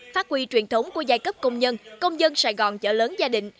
phát huy truyền thống của giai cấp công nhân công dân sài gòn chợ lớn gia đình